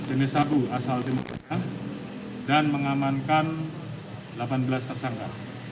ini satu asal timurnya dan mengamankan delapan belas tersangka